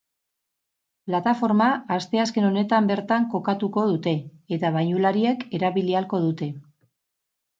Plataforma asteazken honetan bertan kokatuko dute, eta bainulariek erabili ahalko dute.